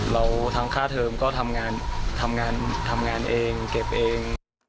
เราทั้งค่าเทอมก็ทำงานเองเก็บเอง